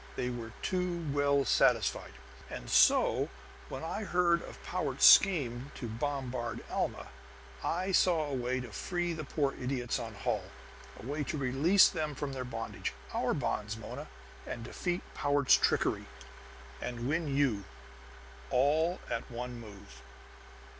They were too well satisfied. "And so, when I heard of Powart's scheme to bombard Alma, I saw a way to free the poor idiots on Holl! A way to release them from their bondage OUR bonds, Mona and defeat Powart's trickery, and win you all at one move!"